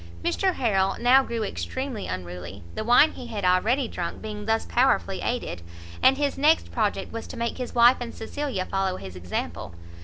Mr Harrel now grew extremely unruly, the wine he had already drunk being thus powerfully aided; and his next project was to make his wife and Cecilia follow his example.